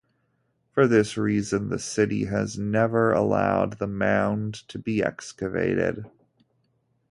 For this reason, the city has never allowed the mound to be excavated.